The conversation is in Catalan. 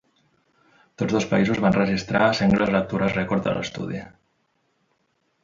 Tots dos països van registrar sengles lectures rècord de l’estudi.